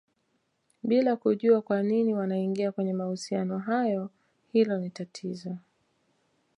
bila kujua kwanini wanaingia kwenye mahusiano hayo hilo ni tatizo